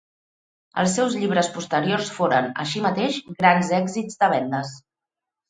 Els seus llibres posteriors foren, així mateix, grans èxits de vendes.